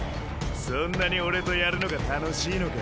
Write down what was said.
そんなに俺とやるのが楽しいのか？